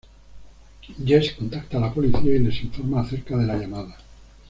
Jess contacta a la policía y les informa acerca de la llamada.